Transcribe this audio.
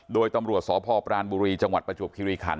โดยตำรวจสพปรานบุรีจังหวัดประจวบคิริคัน